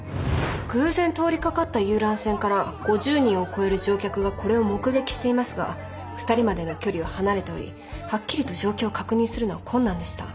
偶然通りかかった遊覧船から５０人を超える乗客がこれを目撃していますが２人までの距離は離れておりはっきりと状況を確認するのは困難でした。